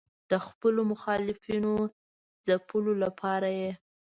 د خپلو مخالفینو ځپلو لپاره یې.